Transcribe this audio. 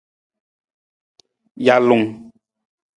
Jalung.